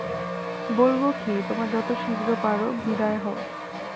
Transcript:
বলব কি, তোমরা যত শীঘ্র পার বিদায় হও!